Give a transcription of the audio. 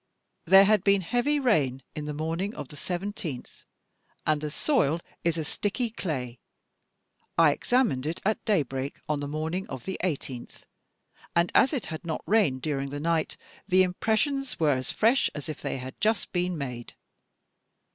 " There had been heavy rain in the morning of the 17th, and the soil is a sticky clay. I examined it at daybreak on the morning of the TOOTPRINTS AND FINGERPRINTS 1 89 18th and, as it had not rained during the night, the impressions were as fresh as if they had just been made.